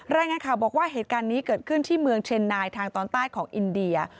รายงานข่าวบอกว่าเหตุการณ์นี้เกิดขึ้นที่เมืองเชนนายทางตอนใต้ของอินเดีย